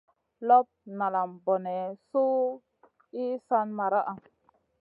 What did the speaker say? Lop nalam bone su yi san maraʼha?